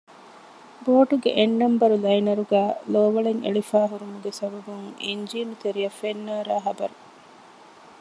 ބޯޓުގެ އެއް ނަންބަރު ލައިނަރުގައި ލޯވަޅެއް އެޅިފައި ހުރުމުގެ ސަބަބުން އިންޖީނު ތެރެއަށް ފެން ނާރާ ޚަބަރު